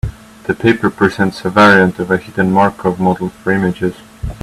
The paper presents a variant of a hidden Markov model for images.